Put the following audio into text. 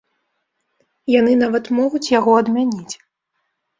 Яны нават могуць яго адмяніць.